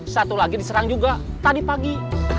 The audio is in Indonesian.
satu lagi diserang juga tadi pagi